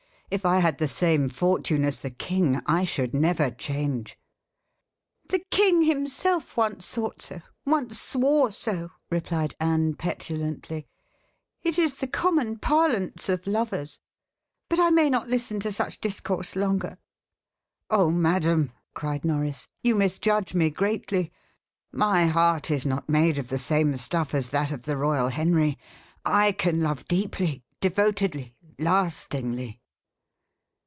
"If I had the same fortune as the king, I should never change." "The king himself once thought so once swore so," replied Anne petulantly. "It is the common parlance of lovers. But I may not listen to such discourse longer." "Oh, madam!" cried Norris, "you misjudge me greatly. My heart is not made of the same stuff as that of the royal Henry. I can love deeply devotedly lastingly."